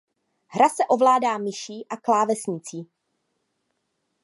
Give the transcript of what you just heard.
Hra se ovládá myší a klávesnicí.